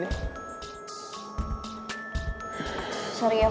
gue boleh kan duduk disini